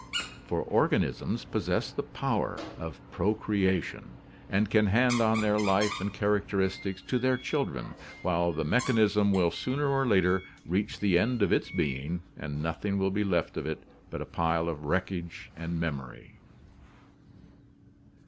For or ganisms possess the power. of procreation and can hand on their life and characteristics to their children, while the mechanism will sooner or later reach the end of its being and nothing will be left of it but a pile of wreckage and a memory.